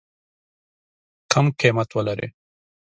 کم قیمت ولري.